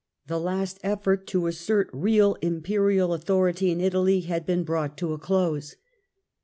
the last effort to assert real Imperial authority in Italy had been brought to a close.